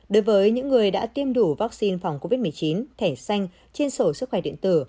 đối với những người đã tiêm đủ vaccine phòng covid một mươi chín thẻ xanh trên sổ sức khỏe điện tử